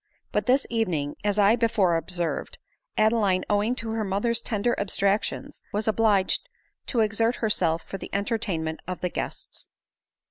But this evening, as I before observed, Adeline, owing to her mother's tender abstractions, was obliged to exert herself for the entertainment of the guests.